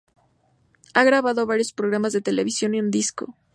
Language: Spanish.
Ha grabado varios programas de televisión y un disco.